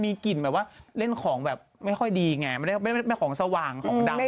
จริงนางไปบริกรรมขาดหายก่อนข้าง